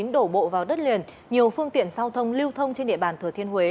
đổ bộ vào đất liền nhiều phương tiện giao thông lưu thông trên địa bàn thừa thiên huế